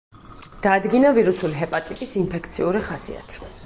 დაადგინა ვირუსული ჰეპატიტის ინფექციური ხასიათი.